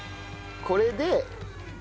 これで。